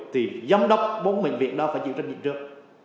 thì giám đốc bốn bệnh viện đó phải chịu trách nhiệm trước